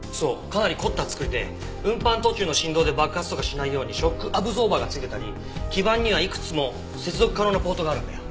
かなり凝った作りで運搬途中の振動で爆発とかしないようにショックアブゾーバーが付いてたり基盤にはいくつも接続可能なポートがあるんだよ。